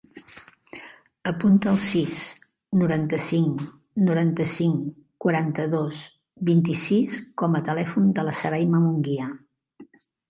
Apunta el sis, noranta-cinc, noranta-cinc, quaranta-dos, vint-i-sis com a telèfon de la Sarayma Munguia.